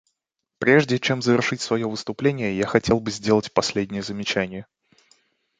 Прежде чем завершить свое выступление я хотел бы сделать последнее замечание.